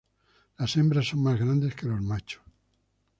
Las hembras son más grandes que los machos.